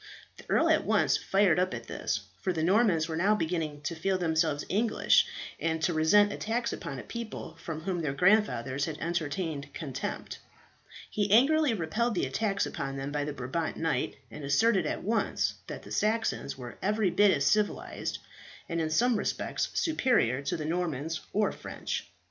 The earl at once fired up at this, for the Normans were now beginning to feel themselves English, and to resent attacks upon a people for whom their grandfathers had entertained contempt. He angrily repelled the attack upon them by the Brabant knight, and asserted at once that the Saxons were every bit as civilized, and in some respects superior, to the Normans or French.